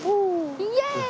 イエーイ！